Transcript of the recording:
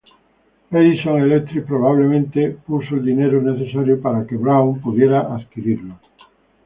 Edison Electric probablemente puso el dinero necesario para que Brown pudiera adquirirlos.